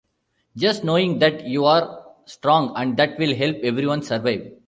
Just knowing that you are strong and that will help everyone survive.